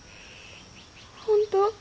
本当？